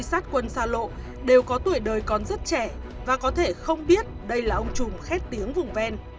sát quân xa lộ đều có tuổi đời còn rất trẻ và có thể không biết đây là ông chùm khét tiếng vùng ven